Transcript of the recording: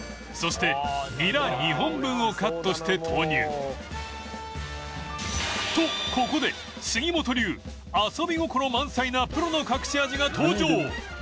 そしてニラ２本分をカットして投入とここで杉本流遊び心満載なプロの隠し味が登場